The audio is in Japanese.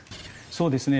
そうですね。